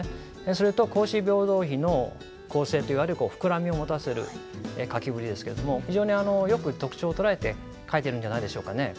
それと「孔子廟堂碑」の向勢といわれるこう膨らみを持たせる書きぶりですけれども非常によく特徴を捉えて書いてるんじゃないでしょうかね。